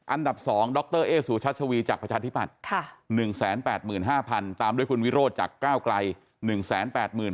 อันดับ๒ดรเอซูชัชวีจากประชาธิบัติ๑แสน๘๕๐๐๐ตามด้วยคุณวิโรธจากก้าวไกร๑แสน๘๔๐๐๐